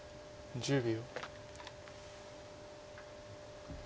１０秒。